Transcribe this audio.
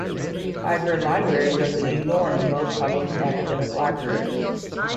Hybrid libraries are the new norm in most public and academic libraries.